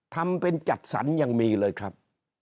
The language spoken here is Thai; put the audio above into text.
ทำเป็นจัดสรรยังมีเลยครับ